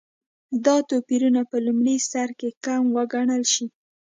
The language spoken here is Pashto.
دا توپیرونه په لومړي سرکې کم وګڼل شي.